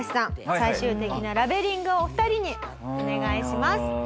最終的なラベリングをお二人にお願いします。